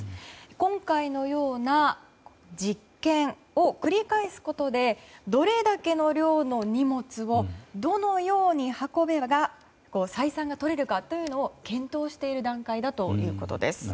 今回のような実験を繰り返すことでどれだけの量の荷物をどのように運べば採算がとれるかというのを検討している段階だということです。